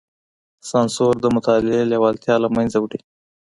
سانسور د مطالعې لېوالتيا له منځه وړي.